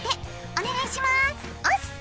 お願いしますおす！